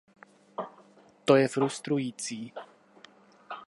To je frustrující.